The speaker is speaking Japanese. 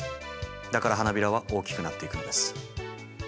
だから花びらは大きくなっていくんです。